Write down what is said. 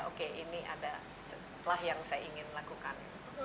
oke ini adalah yang saya ingin lakukan